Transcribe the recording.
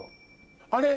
あれ？